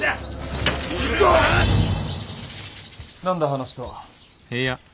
何だ話とは。